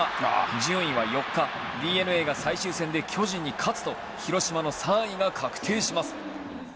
順位は４日ＤｅＮＡが最終戦で巨人に勝つと広島の３位が確定します。